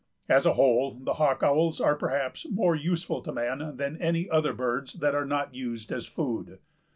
As a whole, the hawk owls are perhaps more useful to man than any other birds that are not used as food.